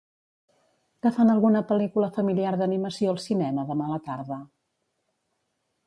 Que fan alguna pel·lícula familiar d'animació al cinema demà a la tarda?